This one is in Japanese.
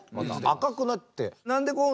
赤くなって。